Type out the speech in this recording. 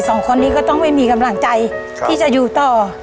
สองคนนี้ก็ต้องไม่มีกำลังใจที่จะอยู่ต่อ